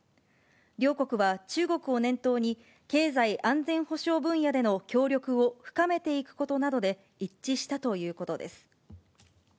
両国は中国を念頭に、経済安全保障分野での協力を深めていくことなどで一致したということです。